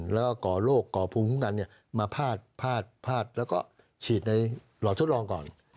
แล้วก็ก่อโรคก่อภูมิคุ้มกันมาพาดแล้วก็ฉีดในหลอดทดลองก่อน